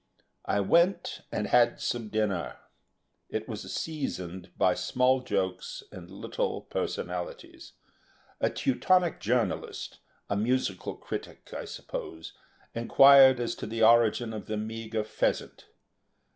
I went and had some dinner. It was seasoned by small jokes and little personalities. A Teutonic journalist, a musical critic, I suppose, inquired as to the origin of the meagre pheasant.